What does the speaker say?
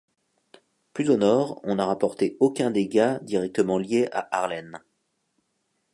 Plus au nord, on n'a rapporté aucun dégât directement lié à Arlene.